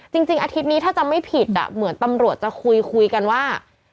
จริงอาทิตย์นี้ถ้าจำไม่ผิดเหมือนตำรวจจะคุยคุยกันว่า